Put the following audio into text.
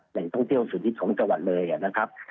แหล่งท่องเที่ยวสุดฮิตของจังหวัดเลยนะครับ